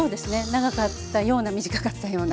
長かったような短かったような。